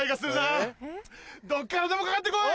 どっからでもかかって来い！